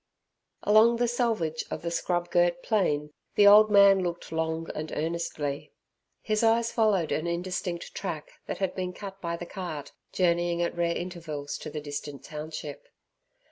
Along the selvage of the scrub girt plain the old man looked long and earnestly. His eyes followed an indistinct track that had been cut by the cart, journeying at rare intervals to the distant township.